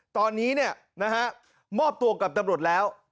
ตอนนี้มอบตัวกับตำรวจแล้ว